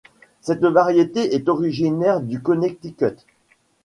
Cette variété est originaire du Connecticut.